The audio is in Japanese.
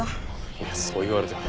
いやそう言われても。